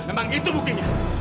emang itu mungkinnya